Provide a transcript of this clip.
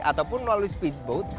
ataupun melalui speed boat